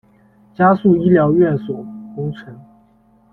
加速医疗院所工程